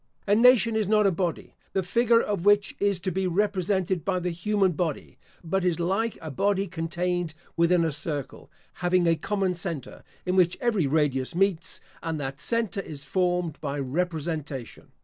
A nation is not a body, the figure of which is to be represented by the human body; but is like a body contained within a circle, having a common center, in which every radius meets; and that center is formed by representation.